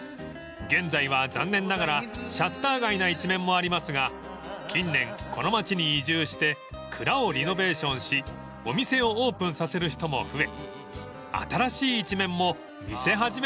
［現在は残念ながらシャッター街な一面もありますが近年この町に移住して蔵をリノベーションしお店をオープンさせる人も増え］